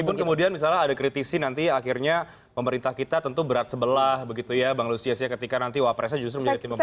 namun kemudian misalnya ada kritisi nanti akhirnya pemerintah kita tentu berat sebelah begitu ya bang lucia ketika nanti wapres nya justru menjadi tim pemenangan